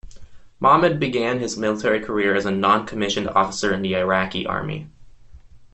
Mahmud began his military career as a non-commissioned officer in the Iraqi Army.